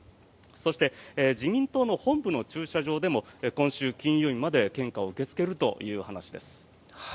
そして、自民党の本部の駐車場でも今週の金曜日まで献花を受け付けるという話です。